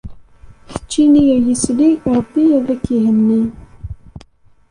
Keččini a yisli, Ṛebbi ad k-ihenni.